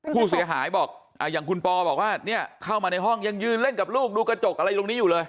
ผู้เสียหายบอกอย่างคุณปอบอกว่าเนี่ยเข้ามาในห้องยังยืนเล่นกับลูกดูกระจกอะไรตรงนี้อยู่เลย